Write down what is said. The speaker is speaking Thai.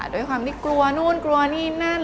ด้วยความที่กลัวนู่นกลัวนี่นั่น